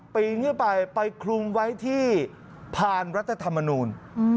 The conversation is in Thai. ปีนขึ้นไปไปคลุมไว้ที่ผ่านรัฐธรรมนูล